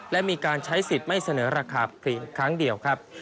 และมีการใช้สิทธิ์ไม่เสนอราคาเพียงครั้งเดียวครับ